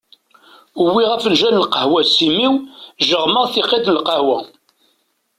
Uwiɣ afenǧal n lqahwa s imi-w, jeɣmeɣ tiqqit n lqahwa.